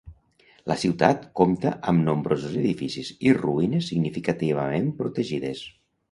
La ciutat compta amb nombrosos edificis i ruïnes significatives protegides.